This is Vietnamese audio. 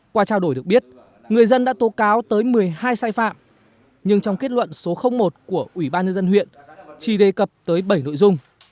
qua trao đổi được biết người dân đã tố cáo tới một mươi hai sai phạm nhưng trong kết luận số một của ủy ban nhân dân huyện chỉ đề cập tới bảy nội dung